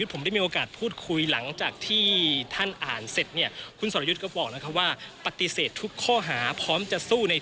ผมได้มีโอกาสพูดคุยหลังจากที่ท่านอ่านเสร็จ